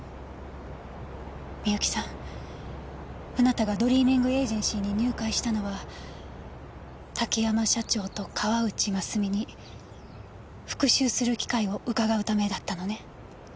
みゆきさんあなたがドリーミングエージェンシーに入会したのは竹山社長と河内ますみに復讐する機会をうかがうためだったのね？